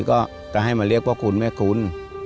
ก็จะให้มาเรียกพ่อคุณแม่คุณ